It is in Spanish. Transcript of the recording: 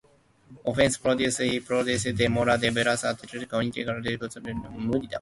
Ofrece producciones y artículos de moda, belleza, decoración, cocina, entretenimiento e información general.